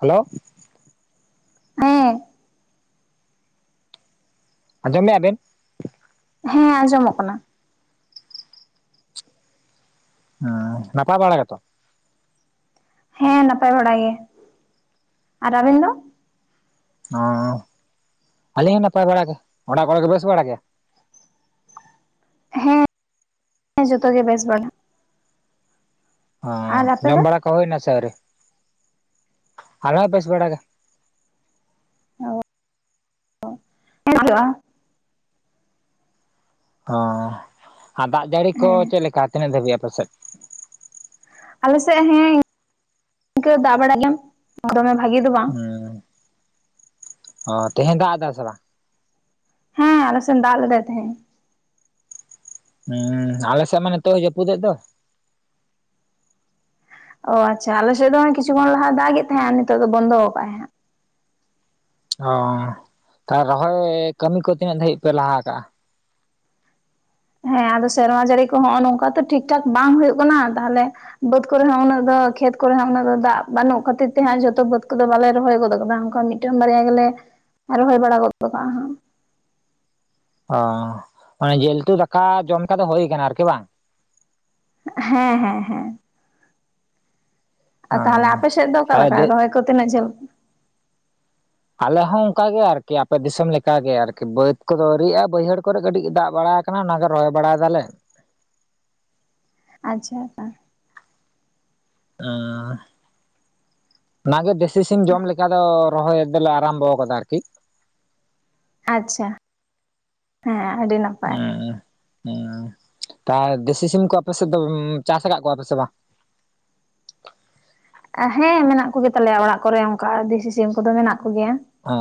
Hello ᱦᱮᱸ ᱟᱸᱡᱚᱢᱮᱜᱼᱟ ᱵᱮᱱ? ᱦᱮᱸ ᱟᱸᱡᱚᱢᱚᱜ ᱠᱟᱱᱟ᱾ ᱦᱚᱸ ᱱᱟᱯᱟᱭ ᱵᱟᱲᱟ ᱜᱮᱛᱚ? ᱦᱮᱸ ᱱᱟᱯᱟᱭ ᱵᱟᱲᱟ ᱜᱮ, ᱟᱨ ᱟᱵᱮᱱ ᱫᱚ? ᱦᱚᱸ ᱟᱹᱞᱤᱧ ᱦᱚᱸ ᱱᱟᱯᱟᱭ ᱵᱟᱲᱟ ᱜᱮ, ᱚᱲᱟᱜ ᱠᱚᱨᱮ ᱠᱚ ᱵᱮᱥ ᱵᱟᱲᱟ ᱜᱮᱭᱟ? ᱦᱮᱸ ᱡᱚᱛᱚᱜᱮ ᱵᱮᱥ ᱵᱟᱲᱟ᱾ ᱟᱨ ᱟᱯᱮ ᱦᱚᱸ ᱡᱚᱢ ᱫᱚ ᱵᱟᱲᱟ ᱠᱚ ᱦᱩᱭᱱᱟ ᱥᱮ ᱟᱹᱣᱨᱤ? ᱟᱞᱮ ᱦᱚᱸᱵᱮᱥ ᱵᱟᱲᱟ ᱜᱮ᱾ [unintelligible] ᱦᱚᱸ ᱟᱨ ᱫᱟᱜ ᱡᱟᱹᱲᱤ ᱠᱚ ᱦᱮᱸ ᱪᱮᱜ ᱞᱮᱠᱟ ᱛᱤᱱᱟᱹᱜ ᱫᱷᱟᱹᱵᱤᱡ ᱟᱯᱮᱥᱮᱫ? ᱟᱞᱮᱥᱮᱜ ᱦᱮᱸ ᱤᱝᱠᱟᱹ ᱫᱟᱜ ᱵᱟᱲᱟ ᱜᱮᱢ ᱫᱚᱢᱮ ᱵᱷᱟᱜᱤ ᱫᱚ ᱵᱟᱝ᱾ ᱦᱩᱸ ᱦᱚ ᱛᱮᱦᱮᱧ ᱫᱟᱜ ᱫᱟ ᱥᱮ ᱵᱟᱝ? ᱦᱮᱸ ᱟᱞᱮ ᱥᱮᱱ ᱫᱟᱜ ᱞᱮᱫᱟᱭ ᱛᱮᱦᱮᱸᱧ᱾ ᱦᱩᱸ ᱟᱞᱮᱥᱮᱜ ᱢᱟ ᱱᱤᱛᱚᱜ ᱦᱚᱸ ᱡᱟᱹᱯᱩᱫᱮᱜ ᱫᱚ᱾ ᱳ ᱟᱪᱪᱷᱟ ᱟᱞᱮ ᱥᱮᱫ ᱫᱚ ᱠᱤᱪᱷᱩ ᱠᱷᱚᱱ ᱞᱟᱦᱟ ᱫᱟᱜᱮᱜ ᱛᱟᱦᱮᱸᱜᱟ, ᱱᱤᱛᱚᱜ ᱫᱚ ᱵᱚᱱᱫᱚᱣ ᱠᱟᱜᱼᱟᱭ ᱦᱟᱸᱜ᱾ ᱦᱚ ᱛᱟ ᱨᱚᱦᱚᱭ ᱠᱟᱹᱢᱤ ᱠᱚ ᱛᱤᱱᱟᱹᱜ ᱫᱷᱟᱵᱤᱡ ᱯᱮ ᱞᱟᱦᱟ ᱟᱠᱟᱜᱼᱟ? ᱦᱮᱸ ᱟᱫᱚ ᱥᱮᱨᱢᱟ ᱡᱟᱹᱲᱤ ᱠᱚ ᱦᱚᱸᱜᱼᱚ ᱱᱚᱝᱠᱟ ᱛᱚ ᱴᱷᱤᱠ ᱴᱷᱟᱠ ᱵᱟᱝ ᱦᱩᱭᱩᱜ ᱠᱟᱱᱟ ᱛᱟᱦᱞᱮ ᱵᱟᱹᱫᱽ ᱠᱚᱨᱮ ᱦᱚᱸ ᱩᱱᱟᱹᱜ ᱫᱚ ᱠᱷᱮᱛ ᱠᱚᱨᱮ ᱦᱚᱸ ᱩᱱᱟᱹᱜ ᱫᱚ ᱫᱟᱜ ᱵᱟᱹᱱᱩᱜ ᱠᱷᱟᱹᱛᱤᱨ ᱛᱮ ᱦᱟᱸᱜ ᱡᱷᱚᱛᱚ ᱵᱟᱹᱫᱽ ᱠᱚᱫᱚ ᱵᱟᱞᱮ ᱨᱚᱦᱚᱭ ᱜᱚᱫ ᱠᱟᱫᱟ ᱚᱝᱠᱟ ᱢᱤᱫ ᱴᱮᱱ ᱵᱟᱨᱭᱟ ᱜᱮᱞᱮ ᱨᱚᱦᱚᱭ ᱵᱟᱲᱟ ᱜᱚᱫ ᱠᱟᱜᱼᱟ ᱦᱟᱸᱜ᱾ ᱚ ᱚᱱᱮ ᱡᱤᱞᱛᱩ ᱫᱟᱠᱟ ᱡᱚᱢ ᱠᱟᱫᱚ ᱦᱩᱭ ᱟᱠᱟᱱᱟ ᱟᱨᱠᱤ ᱵᱟᱝ? ᱦᱮᱸ ᱦᱮᱸ ᱦᱮᱸ ᱟ ᱛᱟᱦᱞᱮ ᱚᱸ ᱟᱯᱮ ᱥᱮᱫ ᱫᱚ ᱚᱠᱟᱞᱮᱠᱟ ᱛᱟᱦᱚᱞᱮ ᱨᱚᱦᱚᱭ ᱠᱚ ᱛᱤᱱᱟᱹᱜ ᱡᱷᱟᱹᱞ? ᱟᱞᱮ ᱦᱚᱸ ᱚᱝᱠᱟᱜ ᱜᱮ ᱟᱨᱠᱤ ᱟᱯᱮ ᱫᱤᱥᱚᱢ ᱞᱮᱠᱟᱜᱮ ᱟᱨᱠᱤ ᱵᱟᱹᱫᱽ ᱠᱚᱫᱚ ᱟᱹᱣᱨᱤᱭᱟᱜᱼᱟ, ᱵᱟᱹᱭᱦᱟᱹᱲ ᱠᱚᱨᱮ ᱠᱟᱹᱴᱤᱡ ᱫᱟᱜ ᱵᱟᱲᱟ ᱠᱟᱱᱟ ᱚᱱᱟᱜᱮ ᱨᱚᱦᱚᱭ ᱵᱟᱲᱟᱭ ᱫᱟᱞᱮ᱾ ᱟᱪᱪᱷᱟ [unintelligible] ᱟᱸ ᱚᱱᱟᱜᱮ ᱫᱮᱥᱤ ᱥᱤᱢ ᱡᱚᱢ ᱞᱮᱠᱟ ᱫᱚ ᱨᱚᱦᱚᱭ ᱫᱚᱞᱮ ᱟᱨᱟᱢᱵᱚᱣ ᱠᱟᱫᱟ ᱟᱨᱠᱤ᱾ ᱟᱪᱪᱷᱟ ᱦᱮᱸ ᱟᱹᱰᱤ ᱱᱟᱯ ᱚᱸ ᱚᱸ ᱛᱟ ᱫᱮᱥᱤ ᱥᱤᱢ ᱠᱚ ᱟᱯᱮᱥᱮᱫ ᱫᱚ ᱪᱟᱥ ᱠᱟᱜ ᱠᱚᱣᱟᱯᱮ ᱥᱮ ᱵᱟᱝ? ᱟ ᱦᱮᱸ ᱢᱮᱱᱟᱜ ᱠᱚᱜᱮ ᱛᱟᱞᱮᱭᱟ ᱚᱲᱟᱜ ᱠᱚᱨᱮ ᱚᱝᱠᱟ ᱫᱮᱥᱤ ᱥᱤᱢ ᱠᱚᱫᱚ ᱢᱮᱱᱟᱜ ᱠᱚᱜᱮᱭᱟ᱾ ᱚ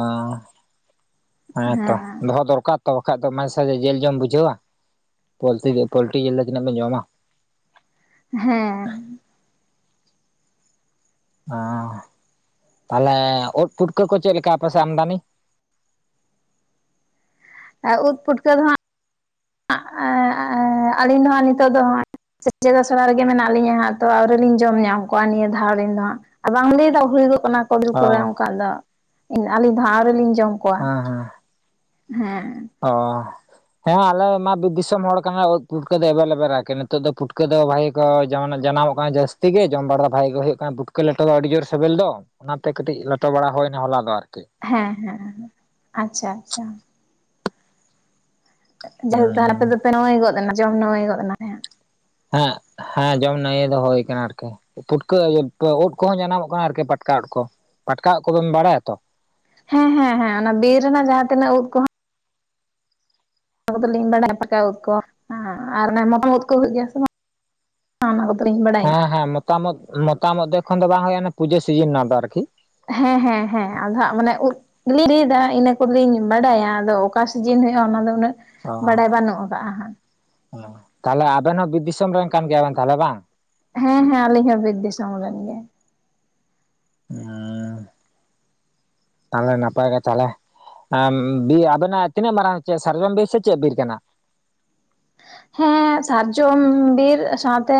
ᱦᱮᱸᱛᱚ ᱦᱮᱸ ᱫᱚᱦᱚ ᱫᱚᱨᱠᱟᱨ ᱛᱚ ᱵᱟᱠᱷᱟᱡ ᱫᱚ ᱢᱟᱡᱮ ᱥᱟᱡᱷᱮ ᱡᱤᱞ ᱡᱚᱢ ᱵᱩᱡᱷᱟᱹᱣᱟ, ᱯᱚᱞᱛᱤ ᱡᱤ ᱯᱳᱞᱴᱤ ᱡᱤᱞ ᱫᱚ ᱛᱤᱱᱟᱹᱜ ᱵᱮᱱ ᱡᱚᱢᱟ? ᱦᱮᱸ ᱦᱚᱸ ᱛᱟᱦᱞᱮ ᱳᱫ ᱯᱩᱴᱠᱟᱹ ᱠᱚ ᱪᱮᱫ ᱞᱮᱠᱟ ᱟᱯᱮᱥᱮᱜ ᱟᱢᱫᱟᱱᱤ? ᱮᱸ ᱩᱫ ᱯᱩᱴᱠᱟᱹ ᱫᱚ ᱦᱟᱸᱜ ᱟᱜ ᱮ ᱮ ᱟᱹᱞᱤᱧ ᱫᱚ ᱦᱟᱸᱜ ᱱᱤᱛᱚᱜ ᱫᱚ ᱥᱮᱪᱮᱫ-ᱟᱥᱲᱟ ᱨᱮᱜᱮ ᱢᱮᱱᱟᱜ ᱞᱤᱧᱟ ᱦᱟᱸᱜ ᱛᱚ ᱟᱹᱣᱨᱤᱞᱤᱧ ᱡᱚᱢ ᱧᱟᱢ ᱠᱚᱣᱟ ᱱᱤᱭᱟᱹ ᱫᱷᱟᱣ ᱨᱮᱱ ᱫᱚ ᱦᱟᱸᱜ ᱟ ᱵᱟᱢ ᱞᱮ ᱫᱟ ᱦᱩᱭᱩ-ᱜᱚᱜ ᱠᱟᱱᱟ ᱠᱟ. ᱢᱤ ᱚ ᱠᱚᱨᱮ ᱚᱱᱠᱟ ᱫᱚ ᱟᱹᱞᱤᱧ ᱫᱚ ᱦᱟᱸᱜ ᱟᱹᱣᱨᱤᱞᱤᱧ ᱡᱚᱢ ᱠᱚᱣᱟ ᱦᱮᱸ ᱦᱮᱸ ᱦᱮᱸ ᱚ ᱦᱮᱸ ᱟᱞᱮᱢᱟ ᱵᱤᱨ ᱫᱤᱥᱚᱢ ᱦᱚᱲ ᱠᱟᱱᱟ ᱩᱫ ᱯᱩᱴᱠᱟᱹ ᱫᱚ ᱮᱵᱮᱞᱮᱵᱮᱞ ᱟᱨᱠᱤ ᱱᱤᱛᱚᱜ ᱫᱚ ᱯᱩᱴᱠᱟᱹ ᱫᱚ ᱵᱷᱟᱜᱮ ᱠᱚ ᱡᱟᱱᱟᱢᱚᱜ ᱠᱟᱱᱟ ᱡᱟᱹᱥᱛᱤ ᱜᱮ ᱡᱚᱢ ᱵᱟᱲᱟ ᱫᱚ ᱵᱷᱟᱜᱮ ᱜᱮ ᱦᱩᱭᱩᱜ ᱠᱟᱱᱟ ᱵᱷᱩᱴᱠᱟᱹ ᱞᱮᱴᱚ ᱫᱚ ᱟᱹᱰᱤ ᱡᱳᱨ ᱥᱮᱵᱮᱞ ᱫᱚ ᱚᱱᱟᱛᱮ ᱠᱟᱹᱴᱤᱡ ᱞᱮᱴᱚ ᱵᱟᱲᱟ ᱦᱳᱭᱱᱟ ᱦᱚᱞᱟ ᱫᱚ ᱟᱨᱠᱤ ᱦᱮᱸ ᱦᱮᱸ ᱟᱪᱪᱷᱟ ᱟᱪᱪᱷᱟ ᱡᱟᱭᱦᱳᱠ ᱛᱟᱦᱚᱞᱮ ᱟᱯᱮ ᱫᱚᱯᱮ ᱱᱟᱹᱢᱟᱹᱭ ᱜᱚᱫ ᱱᱟ ᱡᱚᱢ ᱱᱟᱹᱢᱟᱹᱭ ᱜᱚᱫ ᱱᱟᱯᱮ ᱦᱮᱸ ᱦᱮᱸ ᱡᱚᱢ ᱱᱟᱹᱢᱟᱹᱭ ᱫᱚ ᱦᱳᱭ ᱠᱟᱱᱟ ᱟᱨᱠᱤ ᱯᱩᱴᱠᱟᱹ ᱤᱭᱟᱹ ᱳᱫ ᱠᱚᱦᱚᱸ ᱡᱟᱱᱟᱢᱚᱜ ᱠᱟᱱᱟ ᱟᱨᱠᱤ ᱯᱟᱴᱠᱟ ᱳᱫ ᱠᱚ ᱯᱟᱴᱠᱟ ᱳᱫ ᱠᱚᱵᱤᱱ ᱵᱟᱲᱟᱭᱟᱛᱚ ᱦᱮᱸ ᱦᱮᱸ ᱦᱮᱸ ᱚᱱᱟ ᱵᱤᱨ ᱨᱮᱱᱟᱜ ᱡᱟᱦᱟ ᱛᱤᱱᱟᱹᱜ ᱩᱫ ᱠᱚᱦᱚ ᱚᱱᱟ ᱠᱚᱫᱟᱞᱤᱧ ᱵᱟᱲᱟᱭᱟ ᱯᱟᱴᱠᱟ ᱩᱫ ᱠᱚ ᱟᱨ ᱚᱱᱟ ᱢᱮᱛᱟᱢ ᱳᱫ ᱠᱚ ᱦᱩᱭᱩᱜ ᱜᱮᱭᱟ ᱥᱮ ᱵᱟᱝ ᱦᱚᱸ ᱚᱱᱟ ᱠᱚᱫᱚᱞᱤᱧ ᱵᱟᱰᱟ ᱦᱚᱸ ᱦᱚᱸ ᱢᱮᱛᱛᱟᱢ ᱟ ᱳᱫ ᱢᱚᱛᱟᱢ ᱳᱫ ᱫᱚ ᱮᱠᱷᱚᱱ ᱫᱚ ᱵᱟᱝ ᱦᱩᱭᱩᱜᱼᱟ ᱯᱩᱡᱟᱹ ᱥᱤᱡᱤᱱ ᱟᱱᱟᱫᱚ ᱟᱨᱠᱤ ᱦᱮᱸ ᱦᱮᱸ ᱦᱮᱸ ᱟᱫᱷᱟ ᱢᱟᱱᱮ ᱩᱫ [unintelligible] ᱠᱚᱞᱤᱧ ᱵᱟᱰᱟᱭᱟ ᱟᱫᱚ ᱚᱠᱟ ᱥᱤᱡᱤᱱ ᱦᱩᱭᱩᱜᱼᱟ ᱚᱱᱟ ᱫᱚ ᱩᱱᱟᱹᱜ ᱵᱟᱰᱟᱭ ᱵᱟᱹᱱᱩᱜ ᱟᱠᱟᱜᱼᱟ ᱦᱟᱜ ᱦᱮ ᱛᱟᱦᱚᱞᱮ ᱟᱵᱮᱱ ᱦᱚᱸ ᱵᱤᱨ ᱫᱤᱥᱚᱢ ᱨᱮᱱ ᱠᱟᱱ ᱜᱮᱭᱟ ᱵᱤᱱ ᱛᱟᱦᱚᱞᱮ ᱵᱟᱝ ᱦᱮᱸ ᱦᱮᱸ ᱟᱹᱞᱤᱧ ᱦᱚᱸ ᱵᱤᱨ ᱫᱤᱥᱚᱢ ᱨᱮᱱ ᱜᱮ ᱩ ᱛᱟᱦᱚᱞᱮ ᱱᱟᱯᱟᱭ ᱜᱮ ᱛᱟᱦᱚᱞᱮ ᱮᱢ ᱵᱤ ᱟᱵᱮᱱᱟᱜ ᱛᱤᱱᱟᱹᱜ ᱢᱟᱨᱟᱝ ᱪᱮ ᱥᱟᱨᱡᱚᱢ ᱵᱤᱨ ᱥᱮ ᱪᱮᱫ ᱵᱤᱨ ᱠᱟᱱᱟ ᱦᱮᱸ ᱥᱟᱨᱡᱚᱢ ᱵᱤᱨ ᱥᱟᱶᱛᱮ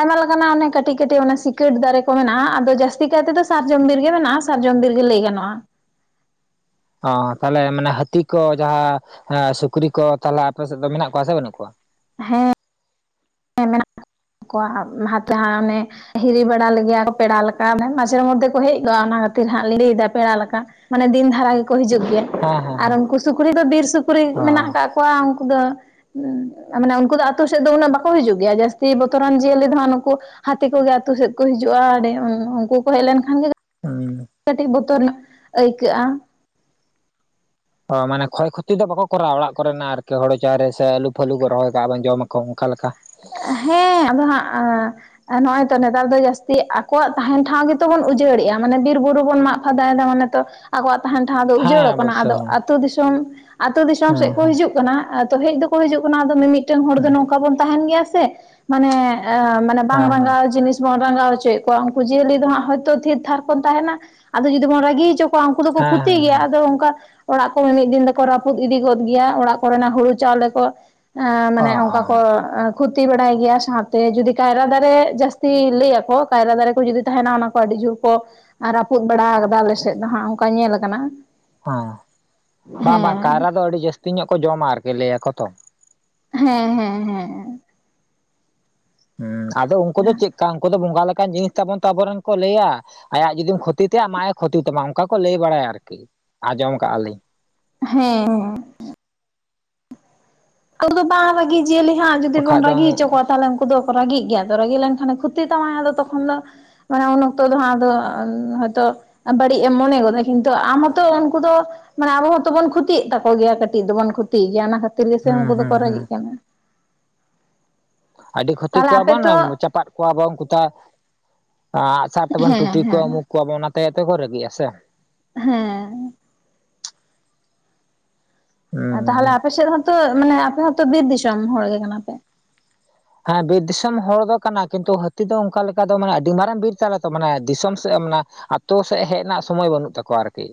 ᱟᱭᱢᱟ ᱞᱮᱠᱟᱱᱟᱜ ᱚᱱᱮ ᱠᱟᱹᱴᱤᱡ ᱠᱟᱹᱴᱤᱡ ᱚᱱᱮ ᱥᱤᱠᱟ. ᱴ ᱫᱟᱨᱮ ᱠᱚ ᱢᱮᱱᱟᱜᱼᱟ ᱟᱫᱚ ᱡᱟᱹᱥᱛᱤ ᱠᱟᱭ ᱛᱮᱫᱚ ᱥᱟᱨᱡᱚᱢ ᱵᱤᱨ ᱜᱮ ᱢᱮᱱᱟᱜᱼᱟ ᱥᱟᱨᱡᱚᱱ ᱰᱤᱨ ᱜᱮ ᱞᱮ ᱜᱟᱱᱚᱜᱼᱟ ᱚ ᱛᱟᱦᱚᱞᱮ ᱢᱟᱱᱮ ᱦᱟᱹᱛᱤ ᱠᱚ ᱡᱟᱦᱟᱸ ᱥᱩᱠᱨᱤ ᱠᱚ ᱛᱟᱦᱚᱞᱮ ᱟᱯᱮ ᱥᱮᱫ ᱫᱚ ᱢᱮᱱᱟᱜ ᱠᱚᱣᱟ ᱥᱮ ᱵᱟᱹᱱᱩᱜ ᱠᱚᱣᱟ ᱦᱮᱸ ᱦᱮᱸ ᱢᱮᱱᱟᱜ ᱠᱚᱣᱟ ᱦᱟᱛᱮ ᱦᱟᱣᱱᱮ ᱦᱤᱨᱤ ᱵᱟᱲᱟ ᱞᱮᱜᱮᱭᱟ ᱠᱚ ᱯᱮᱲᱟ ᱞᱮᱠᱟ ᱢᱟᱱᱮ ᱢᱟᱡᱷᱮᱨ ᱢᱚᱫᱽᱫᱷᱮ ᱠᱚ ᱦᱮᱡ ᱜᱚᱫᱼᱟ ᱚᱱᱟ ᱠᱷᱟᱹᱛᱤᱨ ᱦᱟᱸᱜ ᱞᱤᱧ ᱞᱟᱹᱭ ᱫᱟ ᱯᱮᱲᱟ ᱞᱮᱠᱟ ᱢᱟᱱᱮ ᱫᱤᱱ ᱫᱷᱟᱨᱟ ᱜᱮᱠᱚ ᱦᱤᱡᱩᱜ ᱜᱮᱭᱟ ᱦᱮᱸ ᱦᱮᱸ ᱟᱨ ᱦᱮᱸ ᱩᱱᱠᱩ ᱥᱩᱠᱨᱤ ᱫᱚ ᱵᱤᱨ ᱥᱩᱠᱨᱤ ᱚ ᱢᱮᱱᱟᱜ ᱟᱠᱟᱫ ᱠᱚᱣᱟ ᱩᱱᱠᱩ ᱫᱚ ᱢᱟᱱᱮ ᱩᱱᱠᱩ ᱫᱚ ᱟᱹᱛᱩ ᱥᱮᱫ ᱫᱚ ᱩᱱᱟᱹᱜ ᱵᱟᱠᱚ ᱠᱚ ᱦᱤᱡᱩᱜ ᱜᱮᱭᱟ ᱡᱟᱹᱥᱛᱤ ᱵᱚᱛᱚᱨᱟᱱ ᱡᱤᱭᱟᱹᱞᱤ ᱫᱚ ᱦᱟᱜ ᱱᱩᱠᱩ ᱦᱟᱹᱛᱤ ᱠᱚᱜᱮ ᱟᱹᱛᱩ ᱥᱮᱫ ᱠᱚ ᱦᱤᱡᱩᱜᱼᱟ ᱟᱰᱮ ᱩᱱᱠᱩ ᱠᱚ ᱦᱮᱡ ᱞᱮᱱᱠᱷᱟᱱ ᱜᱮ ᱩ ᱠᱟᱹᱴᱤᱡ ᱵᱚᱛᱚᱨ ᱧᱚᱜ ᱟᱹᱭᱠᱟᱹᱜᱼᱟ ᱚ ᱢᱟᱱᱮ ᱠᱷᱚᱭ ᱠᱷᱚᱛᱤ ᱫᱚ ᱵᱟᱠᱚ ᱠᱚᱨᱟᱣᱟ ᱚᱲᱟᱜ ᱠᱚᱨᱮᱱᱟᱜ ᱟᱨᱤᱠᱤ ᱦᱳᱲᱳ ᱪᱟᱣᱞᱮ ᱥᱮ ᱟᱹᱞᱩ ᱯᱷᱟᱹᱞᱩ ᱠᱚ ᱨᱚᱦᱚᱭ ᱠᱟᱜᱼᱟ ᱵᱟᱝ ᱡᱚᱢᱟᱠᱚ ᱚᱱᱠᱟ ᱞᱮᱠᱟ ᱦᱮᱸ ᱟᱫᱚ ᱦᱟᱸᱜ ᱮ ᱱᱚᱜᱼᱚᱭ ᱛᱚ ᱱᱮᱛᱟᱨ ᱫᱚ ᱡᱟᱹᱥᱛᱤ ᱟᱠᱚᱣᱟᱜ ᱛᱟᱦᱮᱱ ᱴᱷᱟᱶ ᱜᱮᱛᱚ ᱵᱚᱱ ᱩᱡᱟᱹᱲᱮᱜᱼᱟ ᱢᱟᱱᱮ ᱵᱤᱨ ᱵᱩᱨᱩ ᱵᱚᱱ ᱢᱟᱜ ᱯᱷᱟᱫᱟᱭ ᱫᱟ ᱢᱟᱱᱮ ᱛᱚ ᱟᱠᱚᱣᱟᱜ ᱛᱟᱦᱮᱱ ᱴᱷᱟᱶ ᱫᱚ ᱦᱮᱸ ᱩᱡᱟᱹᱲᱚᱜ ᱠᱟᱱᱟ ᱟᱫᱚ ᱚᱵᱚᱥᱥᱳᱭ ᱟᱛᱳ ᱫᱤᱥᱚᱢ ᱟᱛᱳ ᱫᱤᱥᱚᱢ ᱥᱮᱫ ᱦᱮᱸ ᱠᱚ ᱦᱮᱸ ᱦᱤᱡᱩᱜ ᱠᱟᱱᱟ ᱮ ᱛᱚ ᱦᱮᱡ ᱫᱚᱠᱚ ᱦᱤᱡᱩᱜ ᱠᱟᱱᱟ ᱟᱫᱚ ᱢᱤᱢᱤᱫᱴᱟᱝ ᱦᱚᱲ ᱫᱚ ᱦᱮᱸ ᱱᱚᱝᱠᱟ ᱵᱚᱱ ᱛᱟᱦᱮᱱ ᱜᱮᱭᱟ ᱥᱮ ᱢᱟᱱᱮ ᱮ ᱢᱟᱱᱮ ᱵᱟᱝ ᱦᱮᱸ ᱦᱮᱸ ᱨᱟᱸᱜᱟᱣ ᱡᱤᱱᱤᱥ ᱵᱚᱱ ᱨᱟᱸᱜᱟᱣ ᱦᱚᱪᱚᱭᱮᱫ ᱠᱚᱣᱟ ᱩᱱᱠᱩ ᱡᱤᱭᱟᱹᱞᱤ ᱫᱚ ᱦᱟᱸᱜ ᱦᱚᱭᱛᱚ ᱛᱷᱤᱨ ᱛᱷᱟᱨ ᱠᱚ ᱛᱟᱦᱮᱱᱟ ᱟᱫᱚ ᱡᱩᱫᱤ ᱵᱚᱱ ᱨᱟᱹᱜᱤ ᱦᱚᱪᱚ ᱠᱚᱣᱟ ᱩᱱᱠᱩ ᱫᱚᱠᱚ ᱦᱮᱸ ᱠᱷᱩᱛᱤ ᱦᱮᱸ ᱜᱮᱭᱟ ᱦᱮᱸ ᱟᱫᱚ ᱚᱱᱠᱟ ᱚᱲᱟᱜ ᱠᱚ ᱢᱤᱫ ᱫᱤᱱ ᱫᱚᱠᱚ ᱨᱟᱹᱯᱩᱫ ᱤᱫᱤ ᱜᱚᱫ ᱜᱮᱭᱟ ᱚᱲᱟᱜ ᱠᱚᱨᱮᱱᱟᱜ ᱦᱩᱲᱩ ᱪᱟᱣᱞᱮ ᱠᱚ ᱮ ᱚ ᱢᱟᱱᱮ ᱚ ᱚᱱᱠᱟ ᱠᱚ ᱦᱮᱸ ᱮ ᱠᱷᱚᱛᱤ ᱵᱟᱲᱟᱭ ᱜᱮᱭᱟ ᱥᱟᱶᱛᱮ ᱡᱩᱫᱤ ᱠᱟᱭᱨᱟ ᱫᱟᱨᱮ ᱡᱟᱹᱥᱛᱤ ᱞᱟᱹᱭᱟᱠᱚ ᱠᱟᱭᱨᱟ ᱫᱟᱨᱮ ᱠᱚ ᱡᱩᱫᱤ ᱛᱟᱦᱮᱱᱟ ᱚᱱᱟ ᱠᱚ ᱟᱹᱰᱤ ᱡᱳᱨ ᱠᱚ ᱨᱟᱹᱯᱩᱫ ᱵᱟᱲᱟ ᱟᱠᱟᱫᱟ ᱟᱞᱮ ᱥᱮᱫ ᱫᱚ ᱦᱟᱸᱜ ᱚᱱᱠᱟ ᱧᱮᱞ ᱟᱠᱟᱱᱟ᱾ ᱦᱮᱸ ᱵᱟᱝ ᱵᱟᱝ ᱦᱮᱸ ᱠᱟᱭᱨᱟ ᱫᱚ ᱟᱹᱰᱤ ᱡᱟᱹᱥᱛᱤ ᱧᱚᱜ ᱠᱚ ᱡᱚᱢᱟ ᱟᱨᱠᱤ ᱞᱟᱹᱭᱟᱠᱚ ᱛᱚ᱾ ᱦᱮᱸ ᱦᱮᱸ ᱦᱮᱸ ᱦᱚᱸ ᱟᱫᱚ ᱩᱱᱠᱩ ᱫᱚ ᱪᱮᱫᱠᱟ ᱩᱱᱠᱩ ᱫᱚ ᱵᱚᱸᱜᱟ ᱞᱮᱠᱟᱱ ᱡᱤᱱᱤᱥ ᱛᱟᱵᱚᱱ ᱛᱚ ᱟᱵᱚᱨᱮᱱ ᱠᱚ ᱞᱟᱹᱭᱟ ᱟᱭᱟᱜ ᱡᱩᱫᱤᱢ ᱠᱷᱚᱛᱤ ᱛᱟᱭᱟ ᱟᱢᱟᱜ ᱮ ᱠᱷᱚᱛᱤ ᱛᱟᱢᱟ ᱚᱱᱠᱟ ᱠᱚ ᱞᱟᱹᱭ ᱵᱟᱲᱟᱭᱟ ᱟᱨᱠᱤ᱾ ᱟᱸᱡᱚᱢ ᱠᱟᱜᱼᱟ ᱞᱤᱧ᱾ ᱦᱮᱸ ᱦᱮᱸ [inaudible] ᱩᱱᱠᱩ ᱵᱟᱠᱷᱟᱡ ᱫᱚ ᱫᱚᱠᱚ ᱨᱟᱹᱜᱤᱜ ᱜᱮᱭᱟ, ᱨᱟᱹᱜᱤ ᱞᱮᱱᱠᱷᱟᱱᱮ ᱠᱷᱟᱛᱤ ᱛᱟᱢᱟᱭᱟ ᱟᱫᱚ ᱛᱚᱠᱷᱚᱱ ᱫᱚ᱾ ᱢᱟᱱᱮ ᱩᱱ ᱚᱠᱛᱚ ᱫᱚ ᱟᱫᱚ ᱦᱚᱭᱛᱚ ᱵᱟᱹᱲᱤᱡ ᱮᱢ ᱢᱚᱱᱮ ᱜᱚᱫᱟ ᱠᱤᱱᱛᱩ ᱟᱢ ᱦᱚᱛᱚ ᱩᱱᱠᱩ ᱫᱚ ᱢᱟᱱᱮ ᱟᱵᱚ ᱦᱚᱸ ᱛᱚᱵᱚᱱ ᱠᱷᱚᱛᱤᱭᱮᱫ ᱛᱟᱠᱚ ᱜᱮᱭᱟ ᱠᱟᱹᱴᱤᱡ ᱫᱚᱵᱚᱱ ᱠᱷᱚᱛᱤᱭ ᱜᱮᱭᱟ ᱚᱱᱟ ᱠᱷᱟᱹᱛᱤᱨ ᱜᱮᱥᱮ ᱦᱩᱸ ᱩᱱᱠᱩ ᱦᱩᱸ ᱫᱚᱠᱚ ᱦᱩᱸ ᱨᱮᱸᱜᱤᱜ ᱠᱟᱱᱟ᱾ ᱟᱹᱰᱤ ᱠᱷᱚᱛᱤ ᱛᱟᱦᱚᱞᱮ ᱟᱯᱮ ᱠᱚᱣᱟᱵᱚᱱ ᱛᱚ ᱪᱟᱯᱟᱫ ᱠᱚᱣᱟ ᱵᱚᱱ, ᱟᱜᱼ ᱥᱟᱨ ᱛᱮᱵᱚᱱ ᱦᱮᱸ ᱴᱩᱴᱤ ᱠᱚᱣᱟ ᱦᱮᱸ ᱩᱢᱩᱠ ᱠᱚᱣᱟᱵᱚᱱ ᱚᱱᱟᱛᱮ ᱠᱚ ᱨᱟᱹᱜᱤᱜᱼᱟ ᱥᱮ᱾ ᱦᱮᱸ ᱦᱩᱸ ᱛᱟᱦᱚᱞᱮ ᱟᱯᱮ ᱥᱮᱫ ᱦᱚᱸᱛᱚ ᱢᱟᱱᱮ ᱟᱯᱮ ᱦᱚᱸᱛᱚ ᱵᱤᱨ ᱫᱤᱥᱚᱢ ᱦᱚᱲ ᱜᱮ ᱠᱟᱱᱟ ᱯᱮ? ᱦᱮᱸ ᱵᱤᱨ ᱫᱤᱥᱚᱢ ᱦᱚᱲ ᱫᱚ ᱠᱟᱱᱟ ᱠᱤᱱᱛᱩ ᱦᱟᱹᱛᱤ ᱫᱚ ᱚᱱᱠᱟ ᱞᱮᱠᱟ ᱫᱚ ᱢᱟᱱᱮ ᱟᱹᱰᱤ ᱢᱟᱨᱟᱝ ᱵᱤᱨ ᱛᱟᱞᱮ ᱛᱚ ᱢᱟᱱᱮ ᱫᱤᱥᱚᱢ ᱥᱮᱫ ᱟᱛᱳ ᱥᱮᱫ ᱦᱮᱡ ᱨᱮᱱᱟᱜ ᱥᱚᱢᱚᱭ ᱵᱟᱹᱱᱩᱜ ᱛᱟᱠᱚᱣᱟ ᱟᱨᱠᱤ᱾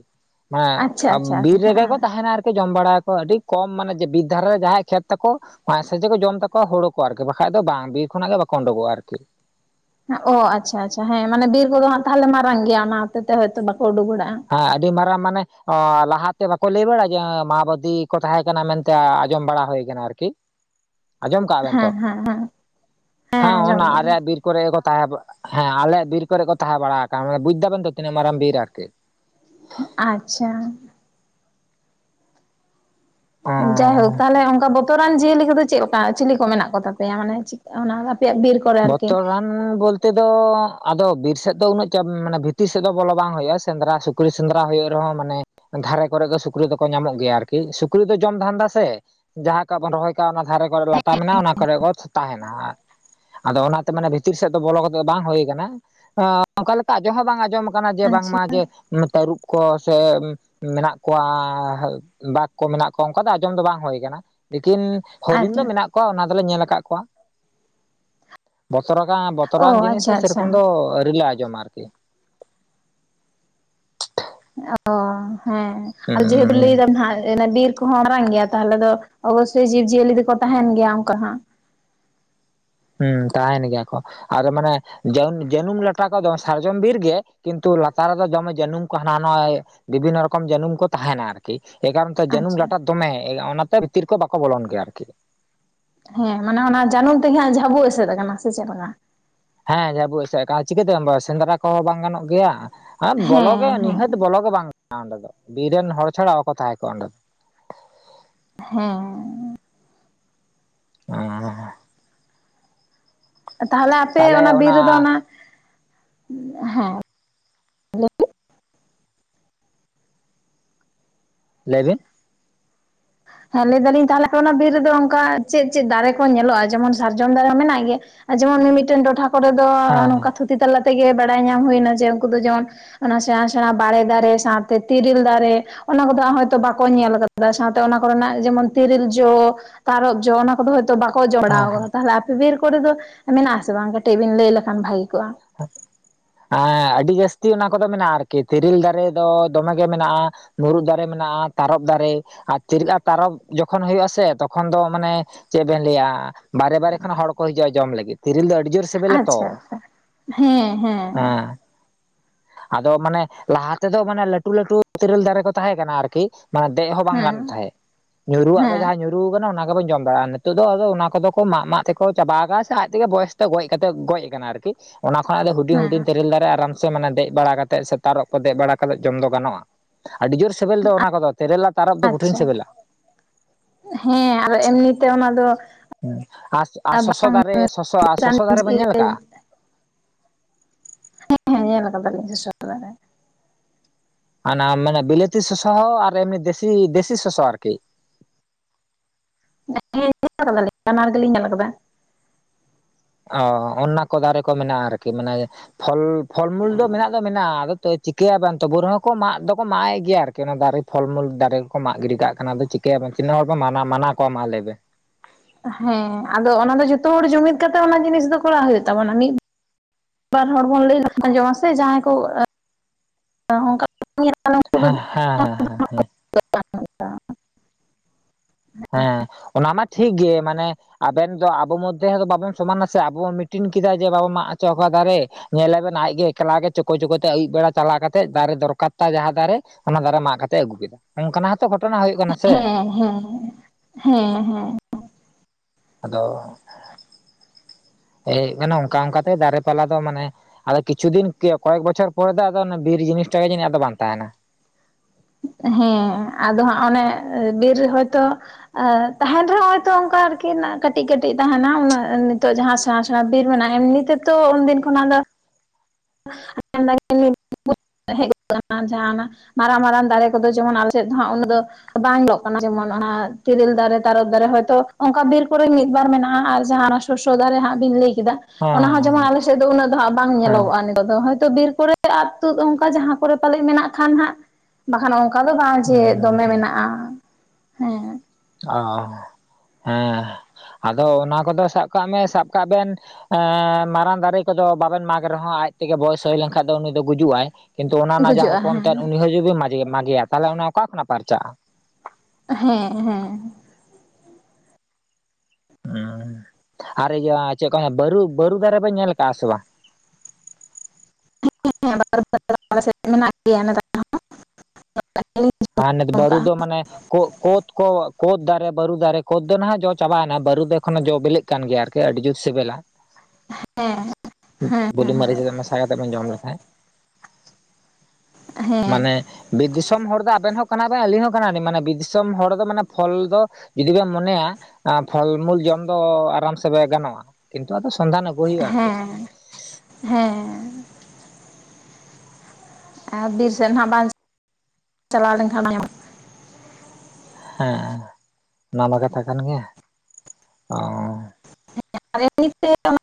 ᱟᱪᱪᱷᱟ ᱢᱟᱱᱮ ᱟᱪᱪᱷᱟ ᱵᱤᱨ ᱟᱪᱪᱷᱟ ᱨᱮᱜᱮ ᱠᱚ ᱦᱮᱸ ᱛᱟᱦᱮᱱᱟ ᱟᱨᱠᱤ ᱡᱚᱢ ᱵᱟᱲᱟᱠᱚ ᱟᱹᱰᱤ ᱠᱚᱢ ᱢᱟᱱᱮ ᱡᱮ ᱵᱤᱨ ᱫᱷᱟᱨᱮ ᱨᱮ ᱡᱟᱦᱟᱸᱭ ᱠᱷᱮᱛ ᱛᱟᱠᱚ ᱥᱟᱡᱮ ᱠᱚ ᱡᱚᱢ ᱛᱟᱠᱚᱣᱟ ᱦᱳᱲᱩ ᱠᱚ ᱟᱨᱠᱤ᱾ ᱵᱟᱠᱷᱟᱡ ᱫᱚ ᱵᱟᱝ ᱵᱤᱨ ᱠᱷᱚᱱᱟᱜ ᱜᱮ ᱵᱟᱠᱚ ᱩᱰᱠᱚᱜᱼᱟ ᱟᱨᱠᱤ᱾ ᱚ ᱟᱪᱪᱷᱟ ᱟᱪᱪᱷᱟ ᱦᱮᱸ ᱢᱟᱱᱮ ᱵᱤᱨ ᱠᱚᱫᱚ ᱦᱟᱜ ᱛᱟᱦᱚᱞᱮ ᱢᱟᱨᱟᱝ ᱜᱮᱭᱟ ᱚᱱᱟᱚᱛᱮ ᱛᱮ ᱦᱭᱛᱳ ᱵᱟᱠᱚ ᱩᱰᱩᱠ ᱵᱟᱲᱟᱜᱼᱟ᱾ ᱟᱹᱰᱤ ᱢᱟᱨᱟᱝ ᱢᱟᱱᱮ ᱞᱟᱦᱟᱛᱮ ᱵᱟᱠᱚ ᱞᱟᱹᱭ ᱵᱟᱲᱟᱭᱼᱟ ᱡᱮ ᱢᱟᱵᱟᱫᱤ ᱠᱚ ᱛᱟᱦᱮᱸ ᱠᱟᱱᱟ ᱢᱮᱱᱛᱮ, ᱟᱸᱡᱚᱢ ᱵᱟᱲᱟ ᱦᱩᱭ ᱟᱠᱟᱱᱟ ᱟᱨᱠᱤ᱾ ᱟᱸᱡᱚᱢ ᱠᱟᱜᱼᱟ ᱵᱮᱱ ᱛᱚ, ᱦᱮᱸ ᱦᱮᱸ ᱦᱮᱸ ᱦᱮᱸ ᱟᱸᱡᱚᱢ ᱚᱱᱟ ᱫᱟᱞᱤᱧ ᱟᱞᱮᱭᱟ ᱵᱤᱨ ᱠᱚᱨᱮ ᱠᱚ ᱛᱟᱦᱮᱸ ᱦᱮᱸ ᱟᱞᱮᱭᱟᱜ ᱵᱤᱨ ᱠᱚᱨᱮ ᱠᱚ ᱛᱟᱦᱮᱸ ᱵᱟᱲᱟ ᱟᱠᱟᱱᱟ ᱵᱩᱡ ᱫᱟᱵᱮᱱ ᱛᱚ ᱛᱤᱱᱟᱹᱜ ᱢᱟᱨᱟᱝ ᱵᱤᱨ ᱟᱨᱠᱤ᱾ ᱟᱪᱪᱷᱟ ᱡᱟᱭᱦᱳᱠ ᱚᱸ ᱛᱟᱦᱮ ᱚᱱᱠᱟ ᱵᱚᱛᱚᱨᱟᱱ ᱡᱤᱭᱟᱹᱞᱤ ᱠᱚᱫᱚ ᱪᱮᱫᱠᱟ ᱪᱤ ᱠᱚ ᱢᱮᱱᱟᱜ ᱠᱚ ᱛᱟᱯᱮᱭᱟ ᱢᱟᱱᱮ ᱚᱱᱟ ᱟᱯᱮᱭᱟᱜ ᱵᱤᱨᱲ ᱠᱚᱨᱮ ᱟᱨᱠᱤ? ᱱᱛᱮᱫᱚ ᱟᱫᱚ ᱵᱤᱨ ᱥᱮᱫ ᱫᱚ ᱩᱱᱟᱹᱜ ᱢᱟᱱᱮ ᱵᱷᱤᱛᱤᱨ ᱥᱮᱫ ᱫᱚ ᱵᱚᱞᱚ ᱵᱟᱝ ᱦᱩᱭᱩᱜᱼᱟ, ᱥᱮᱸᱫᱽᱨᱟ ᱥᱩ- ᱠᱲᱤ ᱥᱮᱸᱫᱽᱨᱟ ᱦᱩᱭᱩᱜ ᱨᱮᱦᱚᱸ, ᱢᱟᱱᱮ ᱫᱷᱟᱨᱮ ᱠᱚᱨᱮ ᱜᱮ ᱥᱩᱠᱨᱤ ᱫᱚᱠᱚ ᱧᱟᱢᱚᱜ ᱜᱮᱭᱟ ᱟᱨᱠᱤ, ᱥᱩᱠᱨᱤ ᱫᱚ ᱡᱚᱢ ᱫᱷᱟᱱ ᱮᱫᱟ ᱥᱮ᱾ ᱡᱟᱦᱟᱸ ᱠᱚ ᱵᱚᱱ ᱨᱚᱦᱚᱭ ᱠᱟᱜᱼᱟ ᱚᱱᱟ ᱫᱷᱟᱨᱮ ᱠᱚᱨᱮ ᱞᱟᱴᱟ ᱢᱮᱱᱟᱜᱼᱟ ᱚᱱᱟ ᱠᱚᱨᱮ ᱛᱟᱦᱮᱱᱟ, ᱟᱨ ᱟᱫᱚ ᱚᱱᱟᱛᱮ ᱢᱟᱱᱮ ᱵᱷᱤᱛᱤᱨ ᱥᱮᱫ ᱫᱚ ᱵᱚᱞᱚ ᱠᱟᱛᱮᱜ ᱫᱚ ᱵᱟᱝ ᱦᱩᱭᱩ ᱟᱠᱟᱱᱟ ᱚᱱᱠᱟ ᱞᱮᱠᱟ ᱟᱡᱸᱚᱢ ᱦᱚᱸ ᱵᱟᱝ ᱟᱸᱡᱚᱢ ᱟᱠᱟᱱᱟ, ᱠᱟᱱᱟ ᱡᱮ ᱟᱪᱪᱷᱟ ᱵᱟᱝᱢᱟ ᱡᱮ ᱛᱟᱹᱨᱩᱵ ᱠᱚ ᱥᱮ ᱢᱮᱱᱟᱜ ᱠᱚᱣᱟ ᱵᱟᱜ ᱠᱚ ᱢᱮᱱᱟᱜ ᱠᱚᱣᱟ ᱚᱱᱠᱟ ᱫᱚ ᱟᱸᱡᱚᱢ ᱫᱚ ᱵᱟᱝ ᱦᱩᱭ ᱠᱟᱱᱟ᱾ ᱞᱮᱠᱤᱱ ᱦᱚᱨᱤᱱ ᱫᱚ ᱟᱪᱪᱷᱟ ᱢᱮᱱᱟᱜ ᱠᱚᱣᱟ ᱚᱱᱟ ᱫᱚᱞᱮ ᱧᱮᱞ ᱟᱠᱟᱫ ᱠᱚᱣᱟ᱾ ᱵᱚᱛᱚᱨ ᱟᱠᱟᱱ ᱚ ᱵᱚᱛᱚᱨᱟᱱ ᱡᱤᱱᱤᱥ ᱫᱚ ᱟᱪᱪᱷᱟ ᱟᱪᱪᱷᱟ ᱥᱮᱨᱚᱠᱚᱢ ᱫᱚ ᱟᱹᱣᱨᱤᱤᱞ ᱞᱮ ᱟᱸᱡᱚᱢᱟ ᱟᱨᱠᱤ᱾ ᱚ ᱦᱮᱸ ᱡᱮᱦᱮᱛᱩ ᱦᱩᱸ ᱞᱟᱹᱭᱮᱫᱟᱢ ᱦᱟᱜ ᱵᱤᱨ ᱠᱚᱦᱚᱸ ᱢᱟᱨᱟᱝ ᱜᱮᱭᱟ ᱛᱟᱦᱚᱞᱮ ᱫᱚ ᱚᱵᱚᱥᱥᱳᱭ ᱡᱤᱵᱽ ᱡᱤᱭᱟᱹᱞᱤ ᱫᱚᱠᱚ ᱛᱟᱦᱮᱱ ᱜᱮᱭᱟ ᱚᱱᱠᱟ ᱦᱟᱸᱜ᱾ ᱦᱩᱸ ᱛᱟᱦᱮᱱ ᱜᱮᱭᱟ ᱠᱚ ᱾ ᱟᱨ ᱢᱟᱱᱮ ᱡᱟᱹᱱᱩᱢ ᱞᱮᱴᱟ ᱠᱚ ᱥᱟᱨᱡᱚᱢ ᱵᱤᱨ ᱜᱮ ᱠᱤᱱᱛᱩ ᱞᱟᱛᱟᱨ ᱨᱮᱫᱚ ᱫᱚᱢᱮ ᱡᱟᱹᱱᱩᱢ ᱦᱟᱱᱟ ᱱᱚ ᱵᱤᱵᱷᱤᱱᱱᱚ ᱨᱚᱠᱚᱢ ᱡᱟᱹᱱᱩᱢ ᱠᱚ ᱛᱟᱦᱮᱱᱟ ᱟᱨᱠᱤ᱾ ᱟᱨᱠᱤ ᱮ ᱠᱟᱨᱚᱱ ᱛᱮ ᱡᱟᱹᱱᱩᱢ ᱟᱪᱪᱷᱟ ᱞᱟᱴᱟ ᱫᱚᱢᱮ ᱚᱱᱟᱛᱮ ᱵᱷᱤᱛᱤᱨ ᱠᱚ ᱵᱟᱠᱚ ᱵᱚᱞᱚᱱ ᱜᱮᱭᱟ ᱟᱨᱠᱤ᱾ ᱦᱮᱸ ᱢᱟᱱᱮ ᱚᱱᱟ ᱡᱟᱹᱱᱩᱢ ᱛᱮᱜᱮ ᱦᱟᱸᱜ ᱡᱷᱟᱵᱚ ᱮᱥᱮᱫ ᱟᱠᱟᱱᱟ ᱥᱮ ᱪᱮᱫ ᱞᱮᱠᱟ? ᱦᱮᱸ ᱡᱟᱹᱵᱩᱥᱮᱫ ᱪᱤᱠᱟᱹᱛᱮ ᱥᱮᱸᱫᱽᱨᱟ ᱠᱚᱦᱚᱸ ᱵᱟᱝ ᱜᱟᱱᱚᱜ ᱜᱮᱭᱟ᱾ ᱦᱮᱸ ᱵᱚᱞᱚᱜ ᱜᱮ ᱱᱤᱦᱟᱹᱛ ᱵᱚᱞᱚᱜ ᱜᱮ ᱵᱟᱝ ᱠᱟᱱᱟ ᱚᱸᱰᱮ ᱫᱚ ᱵᱤᱨ ᱨᱮᱱ ᱦᱚᱲ ᱪᱷᱟᱲᱟ ᱚᱠᱚ ᱛᱟᱦᱮᱸ ᱠᱚᱜ ᱚᱸᱰᱮ ᱫᱚ᱾ ᱦᱮᱸ ᱚᱸᱻ ᱛᱟᱦᱚᱞᱮ ᱟᱯᱮ ᱚᱱᱟ ᱵᱤᱨ ᱨᱮᱫᱚ ᱚᱱᱟ ᱦᱮᱸ ᱞᱟᱹᱭᱵᱤᱱ ᱮᱸ ᱞᱟᱹᱭ ᱫᱟᱞᱤᱧ ᱛᱟᱦᱞᱮ ᱚᱱᱟ ᱵᱤᱨ ᱨᱮᱫᱚ ᱚᱝᱠᱟ ᱪᱮᱜ ᱪᱮᱜ ᱫᱟᱨᱮ ᱠᱚ ᱧᱮᱞᱚᱜᱼᱟ? ᱡᱮᱢᱚᱱ ᱥᱟᱨᱡᱚᱢ ᱫᱟᱨᱮ ᱦᱚᱸ ᱢᱮᱱᱟᱜ ᱜᱮᱭᱟ᱾ ᱟ ᱡᱮᱢᱚᱱ ᱢᱤᱼᱢᱤᱫᱴᱮᱱ ᱴᱚᱴᱷᱟ ᱠᱚᱨᱮ ᱫᱚ ᱦᱮᱸ ᱦᱮᱸ ᱱᱚᱝᱠᱟ ᱛᱷᱩᱛᱤ ᱛᱟᱞᱟ ᱛᱮᱜᱮ ᱵᱟᱲᱟᱭ ᱧᱟᱢ ᱦᱩᱭᱱᱟ, ᱡᱮ ᱩᱱᱠᱩ ᱫᱚ ᱡᱮᱢᱚᱱ ᱚᱱᱟ ᱥᱮᱬᱟ ᱥᱮᱬᱟ ᱵᱟᱲᱮ ᱫᱟᱨᱮ ᱥᱟᱶᱛᱮ ᱛᱤᱨᱤᱞ ᱫᱟᱨᱮ ᱚᱱᱟ ᱠᱚᱫᱚᱟᱸ ᱦᱚᱭᱛᱳ ᱵᱟᱠᱚ ᱧᱮᱞ ᱟᱠᱟᱫᱟ᱾ ᱥᱟᱶ ᱛᱮ ᱚᱱᱟ ᱠᱚᱨᱮᱱᱟᱜ ᱡᱮᱢᱚᱱ ᱛᱮᱤᱨᱤᱞ ᱡᱚ, ᱛᱟᱨᱚᱵ ᱡᱚ, ᱚᱱᱟ ᱠᱚᱫᱚᱛ ᱵᱟᱠᱚ ᱦᱮᱸ ᱡᱚᱲᱟᱣ ᱟᱠᱟᱫᱟ, ᱛᱟᱦᱞᱮ ᱵᱤᱨ ᱠᱚᱨᱮ ᱫᱚ ᱢᱮᱱᱟᱜ ᱟᱥᱮ ᱵᱟᱝ ᱠᱟᱹᱴᱤᱡ ᱵᱮᱱ ᱞᱟᱹᱭ ᱞᱮᱠᱷᱟᱱ ᱵᱷᱟᱹᱜᱤ ᱠᱚᱜᱼᱟ᱾ ᱦᱮᱸ ᱟᱹᱰᱤ ᱡᱟᱹᱥᱛᱤ ᱚᱱᱟ ᱠᱚᱫᱚ ᱢᱮᱱᱟᱜᱼᱟ, ᱟᱨᱠᱤ ᱛᱤᱨᱤᱞ ᱫᱟᱨᱮ ᱫᱚ ᱫᱚᱢᱮᱜ ᱜᱮ ᱢᱮᱱᱟᱜᱼᱟ᱾ ᱢᱩᱨᱩᱫ ᱫᱟᱨᱮ ᱢᱮᱱᱟᱜᱼᱟ, ᱛᱟᱨᱚᱵ ᱫᱟᱨᱮ ᱟᱨ ᱪᱮᱫᱠᱟ ᱛᱟᱨᱚᱵ ᱡᱚᱠᱷᱚᱱ ᱦᱩᱭᱩᱜᱼᱟ ᱥᱮ ᱛᱚᱠᱷᱚᱱ ᱫᱚ ᱢᱟᱱᱮ ᱪᱮᱜ ᱵᱮᱱ ᱞᱟᱹᱭᱟ ᱵᱟᱨᱮ ᱵᱟᱨᱮ ᱠᱷᱚᱱ ᱦᱚᱲ ᱠᱚ ᱦᱤᱡᱩᱜᱼᱟ ᱡᱚᱢ ᱞᱟᱹᱜᱤᱫ ᱛᱮᱤᱨᱤᱞ ᱫᱚ ᱟᱹᱰᱤ ᱡᱳᱨ ᱥᱤᱵᱤᱞᱟ ᱛᱚ ᱟᱪᱪᱷᱟ ᱟᱪᱪᱷᱟ ᱦᱮᱸ ᱦᱮᱸ᱾ ᱦᱮᱸ ᱟᱫᱚ ᱢᱟᱱᱮ ᱞᱟᱦᱟ ᱛᱮᱫᱚ ᱢᱟᱱᱮ ᱞᱟᱹᱴᱩ ᱞᱟᱹᱴᱩ ᱛᱮᱤᱨᱞ ᱫᱟᱨᱮ ᱠᱚ ᱛᱟᱦᱮᱸ ᱠᱟᱱᱟ ᱟᱨᱠᱤ᱾ ᱢᱟᱱᱮ ᱫᱮᱜ ᱦᱚᱸ ᱵᱟᱝ ᱦᱮᱸ ᱜᱟᱱᱚᱜ ᱛᱟᱦᱮᱸᱜ ᱧᱩᱨᱣᱟᱜ ᱫᱚ ᱦᱮᱸ ᱡᱟᱦᱟᱸ ᱧᱩ ᱨᱩᱣ ᱠᱟᱱᱟ ᱚᱱᱟ ᱜᱮᱵᱚᱱ ᱡᱚᱢ ᱫᱟᱲᱮᱜᱼᱟ, ᱱᱤᱛᱚᱜ ᱫᱚ ᱟᱫᱚ ᱚᱱᱟ ᱠᱚᱫᱚ ᱠᱚ ᱢᱟᱜ ᱢᱟᱜ ᱛᱮᱠᱚ ᱪᱟᱵᱟᱣ ᱠᱟᱜᱼᱟ, ᱥᱮ ᱟᱡ ᱛᱮᱜ ᱵᱚᱭᱮᱥ ᱛᱮ ᱜᱚᱡ ᱠᱟᱛᱮ ᱜᱚᱡ ᱠᱟᱱᱟ ᱟᱨᱠᱤ ᱚᱱᱟ ᱠᱷᱚᱱᱟᱜ ᱟᱞᱮ ᱦᱩᱰᱤᱧ ᱦᱮᱸ ᱦᱩᱰᱤᱧ ᱛᱮᱨᱮᱞ ᱫᱟᱨᱮ ᱟᱨᱟᱢ ᱥᱮ ᱢᱟᱱᱮ ᱫᱮᱜ ᱵᱟᱲᱟ ᱠᱟᱛᱮᱜ ᱥᱮ ᱛᱟᱨᱚᱵ ᱠᱚ ᱫᱮᱜ ᱵᱟᱲᱟ ᱠᱟᱛᱮ ᱡᱚᱢ ᱫᱚ ᱜᱟᱱᱚᱜᱼᱟ ᱟᱹᱰᱤ ᱡᱳᱥ ᱥᱤᱵᱤᱞ ᱫᱚ ᱚᱱᱟ ᱠᱚᱫᱚ ᱛᱮᱨᱮᱞᱟ ᱛᱟᱨᱵ ᱫᱚ ᱠᱩᱩᱴᱷᱤᱱ ᱟᱪᱪᱷᱟ ᱥᱤᱵᱤᱞᱟ᱾ ᱦᱮᱸ ᱟᱨ ᱮᱢᱱᱤᱛᱮ ᱚᱱᱟ ᱫᱚ ᱟᱥ ᱟ ᱥᱚᱥᱚ ᱫᱟᱨᱮ ᱥᱚᱥᱚᱷᱼᱟ ᱦᱮᱸ ᱥᱚᱥᱚ ᱫᱟᱨᱮ ᱵᱮᱱ ᱧᱮᱞ ᱠᱟᱜᱼᱟ? ᱦᱮᱸ ᱦᱮᱸ ᱧᱮᱞ ᱠᱟᱫᱟᱞᱤᱧ ᱥᱚᱥᱚ ᱫᱟᱨᱮ᱾ ᱟᱱᱟ ᱢᱟᱱᱮ ᱵᱤᱞᱟᱹᱛᱤ ᱥᱚᱥᱚ ᱦᱚᱸ ᱟᱨ ᱮᱢᱱᱤ ᱫᱮᱥᱤ ᱫᱮᱥᱤ ᱥᱚᱥᱚ ᱟᱨᱠᱤ᱾ [unintelligible] ᱵᱟᱱᱟᱨ ᱜᱮᱞᱤᱧ ᱧᱮᱞ ᱠᱟᱫᱟ᱾ ᱚ ᱚᱱᱟ ᱠᱚ ᱫᱟᱨᱮ ᱠᱚ ᱢᱮᱱᱟᱜᱼᱟ ᱟᱨᱠᱤ ᱢᱟᱱᱮ ᱯᱷᱚᱞ ᱯᱷᱚᱞᱢᱩᱞ ᱫᱚ ᱢᱮᱱᱟᱜ ᱫᱚ ᱢᱮᱱᱟᱜᱼᱟ ᱟᱫᱚ ᱛᱚ ᱪᱤᱠᱟᱹᱭᱟ ᱵᱮᱱ ᱛᱚᱵᱚ ᱨᱮᱦᱚᱸ ᱠᱚ ᱢᱟᱜ ᱫᱚᱠᱚ ᱢᱟᱜ ᱮ ᱜᱮᱭᱟ ᱟᱨᱠᱤ ᱚᱱᱟ ᱫᱟᱨᱮ ᱯᱷᱚᱞᱢᱩᱞ ᱫᱟᱨᱮ ᱠᱚᱠᱚ ᱢᱟᱜ ᱜᱤᱰᱤ ᱠᱟᱜ ᱠᱟᱱᱟ᱾ ᱟᱫᱚ ᱪᱤ ᱠᱟᱹᱭᱟᱱᱮ ᱛᱤᱱᱟᱹᱜ ᱦᱚᱲ ᱵᱮᱱ ᱢᱟᱱᱟ ᱢᱟᱱᱟ ᱠᱟᱣᱟ ᱢᱟ ᱞᱟᱵᱮ᱾ ᱦᱮᱸ ᱟᱫᱚ ᱚᱱᱟ ᱫᱚ ᱡᱚᱛᱚ ᱦᱚᱲ ᱡᱩᱢᱤᱫ ᱠᱟᱛᱮᱜ ᱚᱱᱟ ᱡᱤᱱᱤᱥ ᱫᱚ ᱠᱚᱨᱟᱣ ᱦᱩᱭᱩᱜ ᱛᱟᱵᱚᱱᱟ᱾ ᱢᱤᱫ ᱟᱵᱟᱨ ᱦᱚᱲ ᱵᱚᱱ ᱞᱟᱹᱭ ᱞᱮᱠᱷᱟᱱ ᱟᱸᱡᱚᱢᱟ ᱥᱮ ᱡᱟᱦᱟᱸᱭ ᱠᱚ ᱦᱮᱸ [unintelligible] [unintelligible] ᱦᱮᱸ ᱚᱱᱟ ᱢᱟ ᱴᱷᱤᱠ ᱜᱮ ᱢᱟᱱᱮ ᱟᱵᱮᱱ ᱫᱚ ᱟᱵᱚ ᱢᱚᱫᱽᱫᱷᱮ ᱫᱚ ᱵᱟᱵᱚᱱ ᱥᱚᱢᱟᱱᱟ ᱥᱮ, ᱟᱵᱚ ᱵᱚᱱ ᱢᱤᱴᱤᱱ ᱠᱮᱫᱟ ᱡᱮ ᱵᱟᱵᱚᱱ ᱢᱟᱜ ᱟᱪᱚ ᱠᱚᱣᱟ ᱫᱟᱨᱮ᱾ ᱧᱮᱞᱟ ᱵᱮᱱ ᱟᱡᱜᱮ ᱮᱠᱞᱟ ᱜᱮ ᱪᱚᱠᱳ ᱪᱚᱠᱳ ᱛᱮ ᱟᱹᱭᱩᱵ ᱵᱮᱲᱟ ᱪᱟᱞᱟᱣ ᱠᱟᱛᱮ ᱫᱟᱨᱮ ᱫᱚᱨᱠᱟᱨ ᱛᱟᱭ ᱡᱟᱦᱟᱸ ᱫᱟᱨᱮ ᱚᱱᱟ ᱫᱟᱨᱮ ᱢᱟᱜ ᱠᱟᱛᱮᱜ ᱟᱹᱜᱩ ᱠᱮᱫᱟ ᱚᱝᱠᱟᱱᱟᱜ ᱦᱚᱸᱛᱚ ᱜᱷᱚᱴᱚᱱᱟ ᱦᱩᱭᱩᱜ ᱠᱟᱱᱟ᱾ ᱥᱮ ᱦᱮᱸ ᱦᱮᱸ ᱦᱮᱸ ᱦᱮᱸ ᱟᱫᱚ ᱮᱭ ᱦᱩᱭᱩᱜ ᱠᱟᱱᱟ ᱚᱝᱠᱟ ᱚᱝᱠᱟ ᱛᱮ ᱫᱟᱨᱮ ᱯᱟᱞᱟ ᱫᱚ ᱢᱟᱱᱮ ᱟᱫᱚ ᱠᱤᱪᱷᱩ ᱫᱤᱱ ᱠᱚᱭᱮᱠ ᱵᱚᱪᱚᱨ ᱯᱚᱨᱮ ᱫᱚ ᱟᱫᱚ ᱵᱤᱨ ᱡᱤᱱᱤᱥᱴᱟ ᱜᱮ ᱡᱟᱹᱱᱤᱡ ᱫᱚ ᱵᱟᱝ ᱛᱟᱦᱮᱱᱟ᱾ ᱦᱮᱸ ᱟᱫᱚ ᱦᱟᱸᱜ ᱚᱱᱮ ᱵᱤᱨ ᱨᱮ ᱦᱚᱭᱛᱚ ᱮ ᱛᱟᱦᱮᱱ ᱨᱮᱦᱚᱸ ᱦᱚᱭᱛᱳ ᱚᱝᱠᱟ ᱟᱨᱠᱤ ᱠᱟᱹᱴᱤᱡ ᱠᱟᱹᱴᱤᱡ ᱛᱟᱦᱮᱱᱟ ᱩᱱᱟᱹᱜ ᱱᱤᱛᱚᱜ ᱡᱟᱦᱟᱸ ᱥᱮᱬᱟ ᱥᱮᱬᱟ ᱵᱤᱨ ᱢᱮᱱᱟᱜᱼᱟ, ᱮᱢᱱᱤ ᱛᱮ ᱫᱚ ᱩᱱ ᱫᱤᱱ ᱠᱷᱚᱱᱟᱜ ᱫᱚ [unintelligible] ᱡᱟᱦᱟᱸ ᱚᱱᱟ ᱢᱟᱨᱟᱝ ᱢᱟᱨᱟᱝ ᱫᱟᱨᱮ ᱠᱚ ᱠᱚᱫᱚ ᱡᱮᱢᱚᱱ ᱟᱞᱮ ᱥᱮᱫ ᱫᱚ ᱩᱱᱟᱹᱜ ᱫᱚ ᱵᱟᱝ ᱧᱮᱞᱚᱜ ᱠᱟᱱᱟ, ᱡᱮᱢᱚᱱ ᱚᱱᱟ ᱛᱤᱨᱤᱞ ᱫᱟᱨᱮ ᱛᱟᱨᱚᱵ ᱫᱟᱨᱮ ᱦᱚᱭᱛᱚ ᱚᱝᱠᱟ ᱵᱤᱨ ᱠᱚᱨᱮ ᱢᱤᱫ ᱵᱟᱨ ᱢᱮᱱᱟᱜᱼᱟ ᱟᱨ ᱡᱟᱦᱟᱸ ᱥᱚᱥᱚ ᱫᱟᱨᱮ ᱦᱟᱸᱜ ᱵᱤᱱ ᱞᱟᱹᱭ ᱠᱮᱫᱟ ᱚᱱᱟ ᱦᱚᱸ ᱡᱮᱢᱚᱱ ᱦᱮᱸ ᱟᱞᱮ ᱥᱮᱫ ᱫᱚ ᱩᱱᱟᱹᱜ ᱫᱚ ᱦᱟᱸᱜ ᱵᱟᱝ ᱧᱮᱞᱚᱜᱼᱟ᱾ ᱛᱚ ᱫᱚ ᱦᱚᱭᱛᱚ ᱵᱤᱨ ᱠᱚᱨᱮ ᱟᱫ ᱛᱩᱫ ᱚᱝᱠᱟ ᱡᱟᱦᱟᱸ ᱠᱚᱨᱮ ᱯᱟᱞᱮᱜ ᱢᱮᱱᱟᱜ ᱠᱷᱟᱱ ᱦᱟᱸᱜ ᱵᱟᱠᱷᱟᱱ ᱠᱟ ᱫᱚ ᱵᱟᱝ ᱡᱮ ᱦᱮᱸ ᱦᱮᱸ ᱦᱩᱸ ᱫᱚᱢᱮ ᱦᱩᱸ ᱢᱮᱱᱟᱜᱼᱟ ᱦᱮᱸ᱾ ᱚ ᱦᱮᱸ ᱟᱫᱚ ᱚᱱᱟ ᱠᱚᱫᱚ ᱥᱟᱵ ᱠᱟᱜ ᱢᱮ ᱥᱟᱵ ᱠᱟᱜ ᱵᱮᱱ ᱮᱸ ᱢᱟᱨᱟᱝ ᱫᱟᱨᱮ ᱠᱚᱫᱚ ᱵᱟᱵᱮᱱ ᱢᱟᱜᱽ ᱨᱮᱦᱚᱸ ᱟᱡ ᱛᱮᱜᱮ ᱵᱚᱭᱮᱥ ᱦᱩᱭ ᱞᱮᱱᱠᱷᱟᱱ ᱫᱚ ᱩᱱᱤ ᱫᱚ ᱜᱩᱡᱩᱜᱼᱟᱭ᱾ ᱠᱤᱱᱛᱩ ᱚᱱᱟ ᱨᱮᱱᱟᱜ ᱡᱟ ᱜᱩᱡᱩᱜᱼᱟ ᱦᱚᱯᱚᱱ ᱛᱮᱫ ᱦᱮᱸ ᱩᱱᱤ ᱦᱚᱸ ᱡᱩᱫᱤᱢ ᱢᱟᱡᱮᱭᱟ ᱢᱟᱜᱮᱭᱟ ᱛᱟᱦᱞᱮ ᱚᱠᱟ ᱠᱷᱚᱱᱟᱜ ᱯᱟᱨᱪᱟᱜᱼᱟ? ᱦᱮᱸ ᱦᱮᱸ ᱚ ᱟᱨ ᱤᱭᱟᱹ ᱪᱮᱫ ᱠᱚ ᱢᱮ ᱵᱟᱹᱨᱩ ᱵᱟᱹᱨᱩ ᱫᱟᱨᱮ ᱵᱮᱱ ᱧᱮᱞ ᱠᱟᱜᱼᱟ ᱥᱮ ᱵᱟᱝ? [unintelligible] [unintelligible] [unintelligible] ᱵᱩᱨᱩ ᱠᱟᱜᱼᱟ ᱫᱚ ᱢᱟᱱᱮ ᱠᱳᱫᱽ ᱠᱚ ᱠᱳᱫᱽ ᱫᱟᱨᱮ ᱵᱟᱹᱨᱩ ᱫᱟᱨᱮ ᱠᱳᱫᱽ ᱫᱚ ᱱᱟᱦᱟᱜ ᱡᱚ ᱪᱟᱵᱟᱭᱮᱱᱟ ᱵᱟᱹᱨᱩ ᱫᱚ ᱠᱷᱚᱱ ᱡᱚ ᱵᱤᱞᱤᱜ ᱠᱟᱱᱟ ᱾ ᱠᱟᱱ ᱜᱮᱭᱟ ᱟᱨᱠᱤ ᱟᱹᱰᱤ ᱡᱩᱛ ᱥᱤᱵᱮᱞᱟ ᱾ [inaudible] ᱦᱮᱸ ᱵᱩᱞᱩᱝ ᱢᱟᱨᱤᱪ ᱨᱮ ᱢᱮᱥᱟ ᱠᱟᱛᱮ ᱵᱚ ᱡᱚᱢ ᱞᱮᱫ ᱛᱟᱦᱮᱡ ᱾ ᱦᱮᱸ ᱢᱟᱱᱮ ᱵᱤᱨ ᱫᱤᱥᱚᱢ ᱦᱚᱲ ᱫᱚ ᱟᱵᱮᱱ ᱦᱚᱸ ᱠᱟᱱᱟ ᱵᱮᱱ ᱟᱹᱞᱤᱧ ᱦᱚᱸ ᱠᱟᱱᱟ ᱞᱤᱧ ᱢᱟᱱᱮ ᱵᱤᱨ ᱫᱤᱥᱚᱢ ᱦᱚᱲ ᱫᱚ ᱢᱟᱱᱮ ᱯᱷᱚᱞ ᱫᱚ ᱡᱩᱫᱤ ᱵᱮᱱ ᱢᱚᱱᱮᱭᱟ ᱯᱷᱚᱞ ᱢᱩᱞ ᱡᱚᱢ ᱫᱚ ᱟᱨᱟᱢ ᱥᱮ ᱜᱟᱱᱚᱜᱼᱟ ᱠᱤᱱᱛᱩ ᱟᱫᱚ ᱥᱚᱱᱫᱷᱟᱱ ᱟᱹᱜᱩᱭ ᱦᱩᱭᱩᱜᱼᱟ ᱟᱨᱠᱤ ᱾ ᱦᱮᱸ ᱦᱮᱸ ᱵᱤᱨ ᱥᱮᱫ ᱱᱷᱟᱜ ᱵᱟᱝ [unintelligible] ᱪᱟᱞᱟᱣ ᱞᱮᱱ ᱠᱷᱟᱱ [unintelligible] ᱦᱮᱸ ᱚᱱᱟ ᱢᱟ ᱠᱟᱛᱷᱟ ᱠᱟᱱ ᱜᱮᱭᱟ ᱚ [unintelligible]